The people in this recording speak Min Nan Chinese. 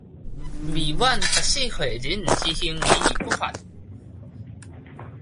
未滿十四歲人之行為，不罰